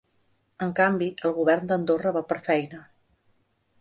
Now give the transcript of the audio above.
En canvi, el govern d’Andorra va per feina.